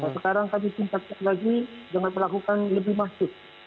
sekarang kami cintakan lagi jangan melakukan lebih masuk